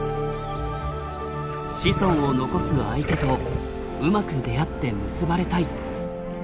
子孫を残す相手とうまく出会って結ばれたい！